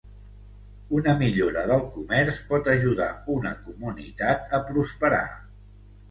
Una millora del comerç pot ajudar una comunitat a prosperar.